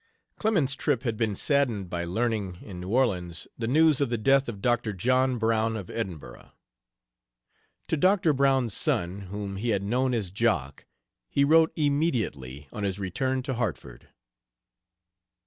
Clemens's trip had been saddened by learning, in New Orleans, the news of the death of Dr. John Brown, of Edinburgh. To Doctor Brown's son, whom he had known as "Jock," he wrote immediately on his return to Hartford.